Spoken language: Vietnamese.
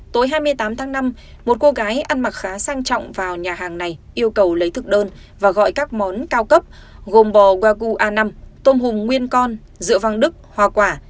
tối hai mươi tám tháng năm một cô gái ăn mặc khá sang trọng vào nhà hàng này yêu cầu lấy thực đơn và gọi các món cao cấp gồm bò waku a năm tôm hùm nguyên con rượu vang đức hoa quả